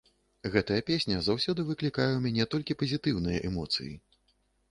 Гэтая песня заўсёды выклікае ў мяне толькі пазітыўныя эмоцыі.